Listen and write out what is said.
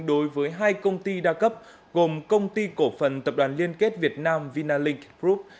đối với hai công ty đa cấp gồm công ty cổ phần tập đoàn liên kết việt nam vinalink group